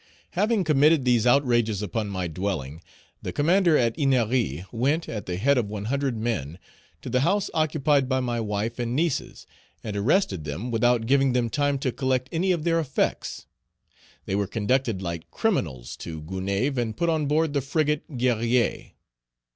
Having committed these outrages upon my dwelling, the commander at Ennery went, at the head of one hundred men, to the house occupied by my wife and nieces, and arrested them, without giving them time to collect any of their effects. They were conducted like criminals to Gonaïves and put on board the frigate Guerrière.